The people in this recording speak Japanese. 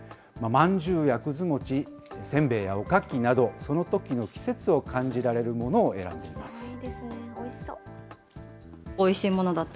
まんじゅうやくず餅、せんべいやおかきなど、そのときの季節を感じられるものを選んでいます。